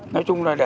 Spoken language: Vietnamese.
nói chung là để làm